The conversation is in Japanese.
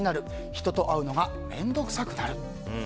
人と会うのが面倒くさくなる。